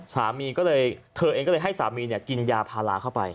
สามีก็เลยเธอเองก็เลยให้สามีกินยาพาราเข้าไป